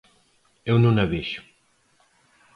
Eu non a vexo.